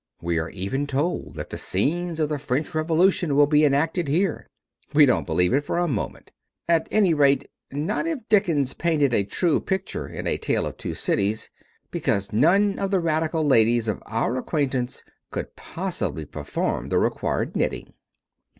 We are even told that the scenes of the French Revolution will be enacted here. We don't believe it for a moment. At any rate, not if Dickens painted a true picture in A Tale of Two Cities because none of the radical ladies of our acquaintance could possibly perform the required knitting.